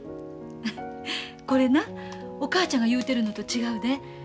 これなお母ちゃんが言うてるのと違うで。